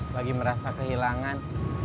lagi merasa kehilangan